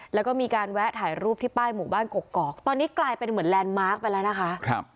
แล้วก็มีการแวะถ่ายรูปที่ป้ายหมู่บ้านกกอกตอนนี้กลายเป็นเหมือนแลนด์มาร์คไปแล้วนะคะ